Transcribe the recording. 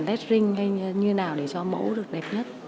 led ring hay như thế nào để cho mẫu được đẹp nhất